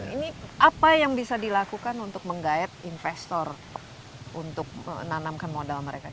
ini apa yang bisa dilakukan untuk menggayat investor untuk menanamkan modal mereka